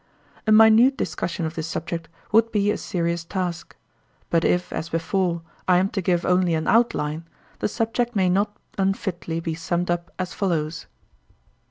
A minute discussion of this subject would be a serious task; but if, as before, I am to give only an outline, the subject may not unfitly be summed up as follows.